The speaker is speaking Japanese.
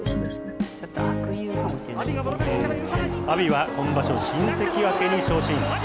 阿炎は今場所、新関脇に昇進。